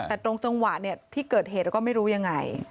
แต่ตรงจังหวะเนี่ยที่เกิดเหตุเราก็ไม่รู้ยังไง